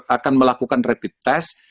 akan melakukan rapid test